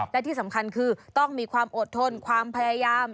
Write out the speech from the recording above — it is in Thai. และที่สำคัญคือต้องมีความอดทนความพยายาม